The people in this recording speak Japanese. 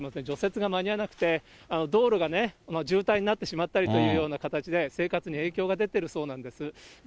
除雪が間に合わなくて、道路がね、渋滞になってしまったりというような形で、生活に影響が出ているそうなんです。